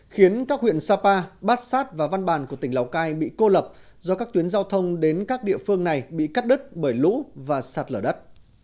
khiến các huyện sapa bát sát và văn bàn của tỉnh lào cai bị cô lập do các tuyến giao thông đến các địa phương này bị cắt đứt bởi lũ và sạt lở đất